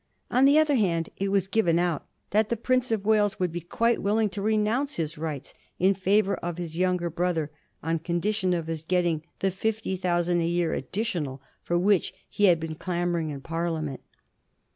On the other hand, it was given out that the Prince of Wales would be quite willing to renounce his rights in favor of his young er brother on condition of his getting the fifty thousand a year additional for which he had been clamoring in Parlia ment.